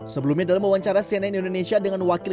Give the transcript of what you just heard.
sebelumnya dalam wawancara siena indonesia dengan wakilnya